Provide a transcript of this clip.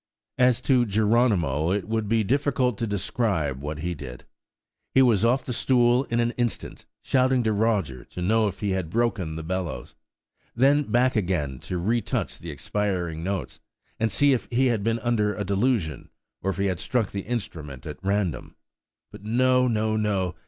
As to Geronimo, it would be difficult to describe what he did. He was off the stool in an instant, shouting to Roger to know if he had broken the bellows; then back again to retouch the expiring notes, and see if he had been under a delusion, or if he had struck the instrument at random. But no, no, no!